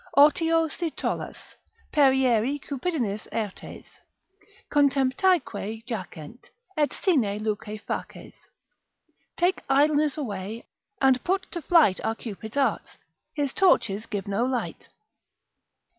Otio si tollas, periere Cupidinis artes, Contemptaeque jacent, et sine luce faces. Take idleness away, and put to flight Are Cupid's arts, his torches give no light.